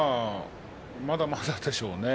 まだまだでしょうね。